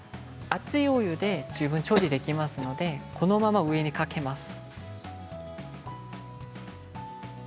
熱いお湯で十分調理ができますのでこの上にかけます。